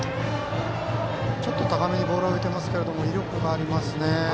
ちょっと高めにボールはいってますけど威力がありますね。